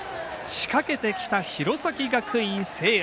仕掛けてきた弘前学院聖愛。